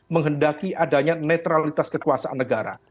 menghendaki adanya netralitas kekuasaan negara